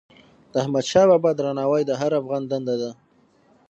د احمدشاه بابا درناوی د هر افغان دنده ده.